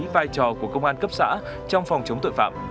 vai trò của công an cấp xã trong phòng chống tội phạm